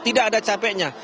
tidak ada capeknya